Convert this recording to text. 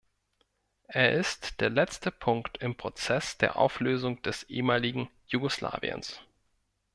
Er ist der letzte Punkt im Prozess der Auflösung des ehemaligen Jugoslawiens.